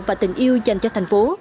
và tình yêu dành cho thành phố